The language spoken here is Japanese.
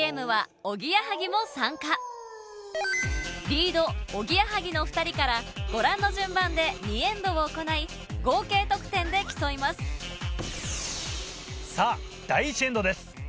リードおぎやはぎのお２人からご覧の順番で２エンドを行い合計得点で競いますさぁ第１エンドです。